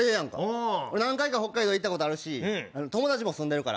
何回か北海道行ったことあるし友達もいるから。